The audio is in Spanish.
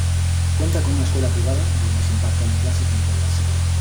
Cuenta con una escuela privada, donde se imparten clases de nivel básico.